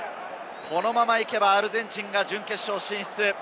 このまま行けばアルゼンチンが準決勝進出。